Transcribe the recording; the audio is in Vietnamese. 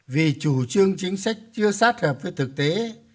vì chủ trương chính sách chưa sát hợp với thực tế